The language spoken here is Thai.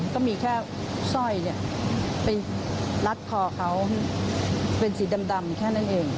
ก็มีแค่สร้อยไปรัดคอเขาเป็นสีดำแค่นั้นเอง